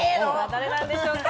誰なんでしょうか？